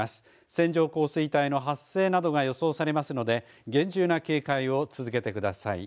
線状降水帯の発生などが予想されますので厳重な警戒を続けてください。